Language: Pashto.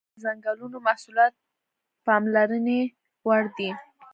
په ځنګلي سیمو کې د ځنګلونو محصولات پاملرنې وړ دي.